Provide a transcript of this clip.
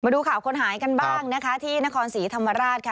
ดูข่าวคนหายกันบ้างนะคะที่นครศรีธรรมราชค่ะ